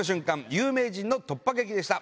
有名人の突破劇でした。